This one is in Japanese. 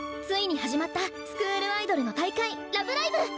ついに始まったスクールアイドルの大会「ラブライブ！」。